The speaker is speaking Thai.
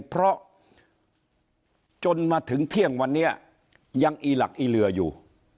เพราะจนมาถึงเที่ยงวันนี้ยังอีหลักอีเหลืออยู่